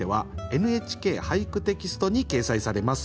「ＮＨＫ俳句」テキストに掲載されます。